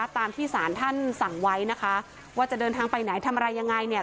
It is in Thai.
ตามที่สารท่านสั่งไว้นะคะว่าจะเดินทางไปไหนทำอะไรยังไงเนี่ย